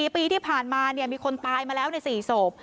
๔ปีที่ผ่านมามีคนตายมาแล้วใน๔ศพ